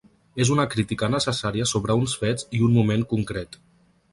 És una crítica necessària sobre uns fets i un moment concret.